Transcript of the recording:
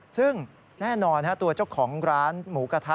ซึ่งแน่นอนตัวเจ้าของร้านหมูกระทะ